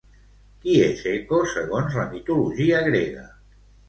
Qui és Eco segons la mitologia grega?